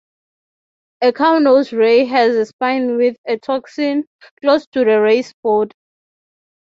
A cownose ray has a spine with a toxin, close to the ray's body.